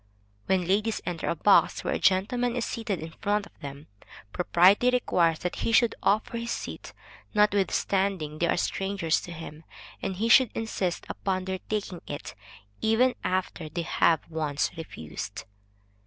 When ladies enter a box where a gentleman is seated in front of them, propriety requires that he should offer his seat, notwithstanding they are strangers to him, and he should insist upon their taking it, even after they have once refused.